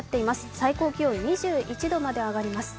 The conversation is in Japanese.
最高気温２１度まで上がります。